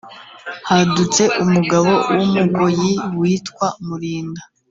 hadutse umugabo w’umugoyi witwa Mulinda